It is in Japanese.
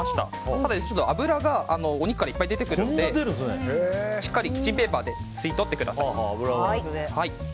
ただ、ちょっと油がお肉からいっぱい出てくるのでしっかりキッチンペーパーで吸い取ってください。